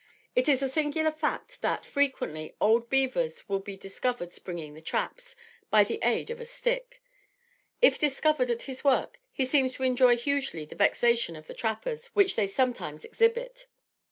It is a singular fact that, frequently, old beavers will be discovered springing the traps, by the aid of a stick. If discovered at his work, he seems to enjoy hugely the vexation of the trappers which they sometimes exhibit.